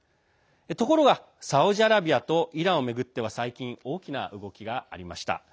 ところが、サウジアラビアとイランを巡っては最近、大きな動きがありました。